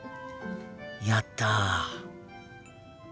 やった。